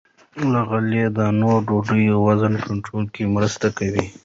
له غلې- دانو ډوډۍ د وزن کنټرول کې مرسته کوي.